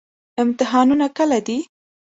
امتحانونه کله دي؟